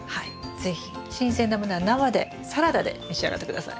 是非新鮮なものは生でサラダで召し上がって下さい。